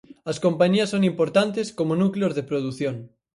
As compañías son importantes como núcleos de produción.